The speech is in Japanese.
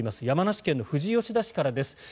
山梨県の富士吉田市からです。